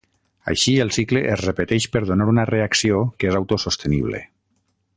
Així, el cicle es repeteix per donar una reacció que és autosostenible.